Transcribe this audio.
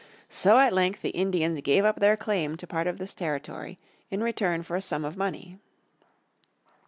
So at length the Indians gave up their claim to part of this territory in return for a sum of money.